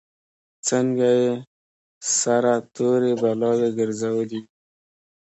څنګه یې سره تورې بلاوې ګرځولي یو.